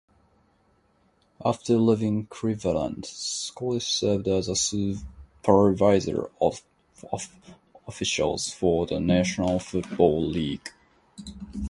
After leaving Cleveland, Skorich served as supervisor of officials for the National Football League.